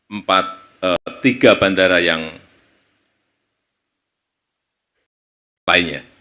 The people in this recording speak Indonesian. empat tiga bandara yang lainnya